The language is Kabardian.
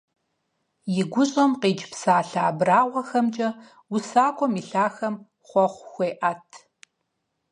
И гущӀэм къикӀ псалъэ абрагъуэхэмкӀэ усакӀуэм и лъахэм хъуэхъу хуеӀэт.